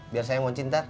biar saya mau cinta